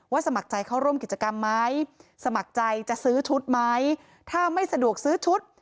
สมัครใจเข้าร่วมกิจกรรมไหมสมัครใจจะซื้อชุดไหมถ้าไม่สะดวกซื้อชุด